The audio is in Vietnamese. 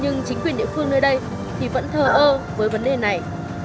nhưng chính quyền địa phương nơi đây thì vẫn thờ ơ với vấn đề này